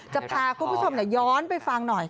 จะพาคุณผู้ชมย้อนไปฟังหน่อย